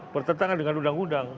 bertentangan dengan undang undang